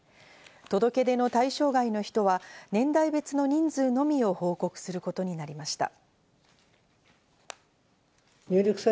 届け出の対象外の人は、年代別の人数のみを報告することになりました。